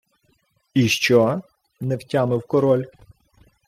— І що? — не втямив король.